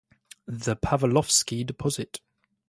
The Pavlovsky Deposit.